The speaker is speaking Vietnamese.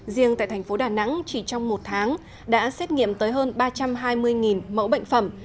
riêng tại thành phố đà nẵng chỉ trong một tháng đã xét nghiệm tới hơn ba trăm hai mươi mẫu bệnh phẩm